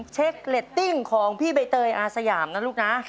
เช็คเรตติ้งของพี่ใบเตยอาสยามนะลูกนะ